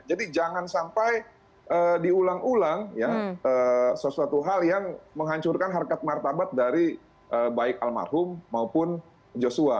jadi jangan sampai diulang ulang sesuatu hal yang menghancurkan harkat martabat dari baik almarhum maupun joshua